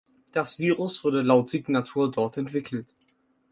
Das Virus wurde laut Signatur dort entwickelt.